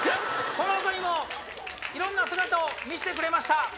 その他にもいろんな姿を見せてくれました。